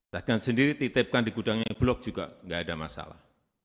cadangan sendiri titipkan di gudangnya blok juga enggak ada masalah